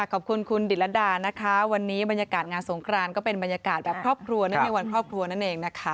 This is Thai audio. ขอบคุณคุณดิตรดานะคะวันนี้บรรยากาศงานสงครานก็เป็นบรรยากาศแบบครอบครัวเนื่องในวันครอบครัวนั่นเองนะคะ